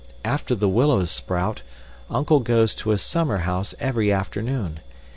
After the willows sprout, uncle goes to his summer house every afternoon.